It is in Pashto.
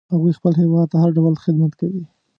هغوی خپل هیواد ته هر ډول خدمت کوي